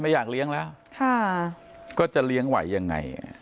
อยากเลี้ยงแล้วก็จะเลี้ยงไหวยังไง